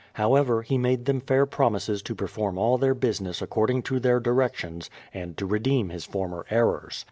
However, he made them fair promises to perform all their business according to their directions, and to redeem his former errors.